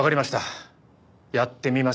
やってみましょう。